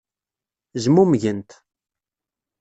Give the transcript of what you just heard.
Zmumgent.